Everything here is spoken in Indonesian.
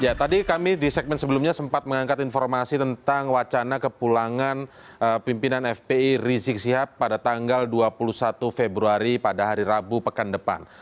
ya tadi kami di segmen sebelumnya sempat mengangkat informasi tentang wacana kepulangan pimpinan fpi rizik sihab pada tanggal dua puluh satu februari pada hari rabu pekan depan